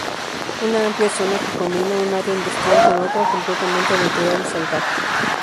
Una amplia zona que combina un área industrial con otra completamente natural y salvaje.